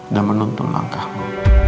dan menuntun langkahmu